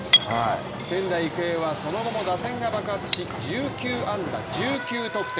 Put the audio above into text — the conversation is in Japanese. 仙台育英はその後も打線が爆発し、１９安打１９得点。